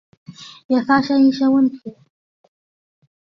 也发现一些问题